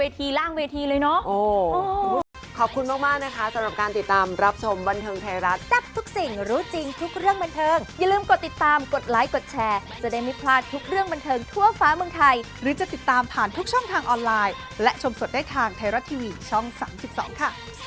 ทุกเรื่องบรรเทิร์นบรรเทิร์นไทยรัก